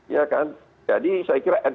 ya kan jadi saya kira